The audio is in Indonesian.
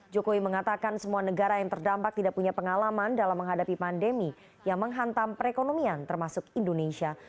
jokowi mengatakan semua negara yang terdampak tidak punya pengalaman dalam menghadapi pandemi yang menghantam perekonomian termasuk indonesia